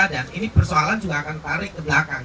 dan ini persoalan juga akan tarik ke belakang